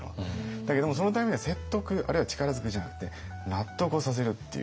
だけれどもそのためには説得あるいは力ずくじゃなくて納得をさせるっていう。